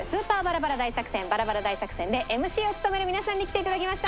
バラバラ大作戦でＭＣを務める皆さんに来ていただきました。